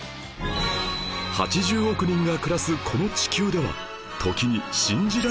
８０億人が暮らすこの地球では時に信じられない事が